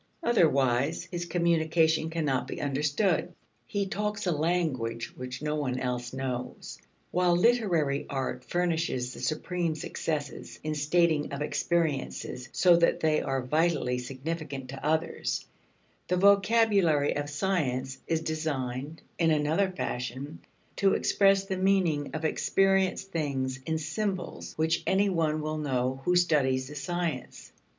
Otherwise his communication cannot be understood. He talks a language which no one else knows. While literary art furnishes the supreme successes in stating of experiences so that they are vitally significant to others, the vocabulary of science is designed, in another fashion, to express the meaning of experienced things in symbols which any one will know who studies the science.